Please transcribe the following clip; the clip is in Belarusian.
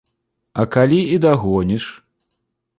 А калі і дагоніш?